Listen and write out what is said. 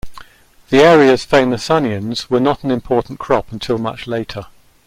The area's famous onions were not an important crop until much later.